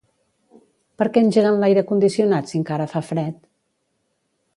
Perquè engeguen l'aire condicionat si encara fa fred?